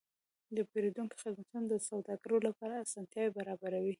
د پیرودونکو خدمتونه د سوداګرو لپاره اسانتیاوې برابروي.